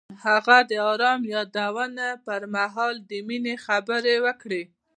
هغه د آرام یادونه پر مهال د مینې خبرې وکړې.